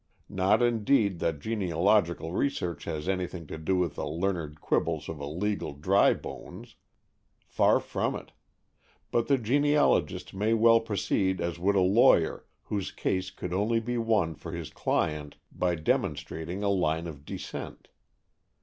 Not, indeed, that genealogical research has anything to do with the learned quibbles of a legal dry bones! Far from it. But the genealogist may well proceed as would a lawyer whose case could only be won for his client by demonstrating a line of descent.